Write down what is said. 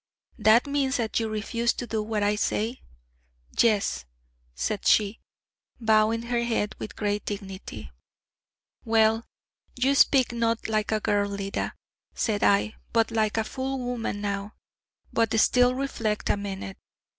'That means that you refuse to do what I say?' 'Yes,' said she, bowing the head with great dignity. 'Well, you speak, not like a girl, Leda,' said I, 'but like a full woman now. But still, reflect a minute....